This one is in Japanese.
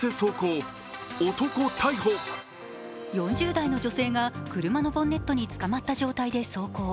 ４０代の女性が車のボンネットにつかまった状態で走行。